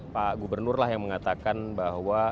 pak gubernur lah yang mengatakan bahwa